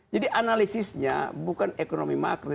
jadi analisisnya bukan ekonomi market